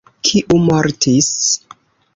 Kiu mortis?